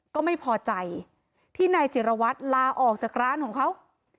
ก็ไม่พอใจที่นายจิรวัตรลาออกจากร้านของเขา